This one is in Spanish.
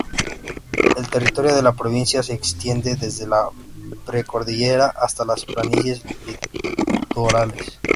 El territorio de la provincia se extiende desde la precordillera hasta las planicies litorales.